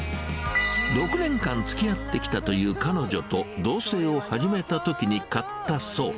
６年間つきあってきたという彼女と同せいを始めたときに買ったそう。